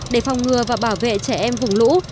để phòng ngừa và bảo vệ trẻ em vùng lũ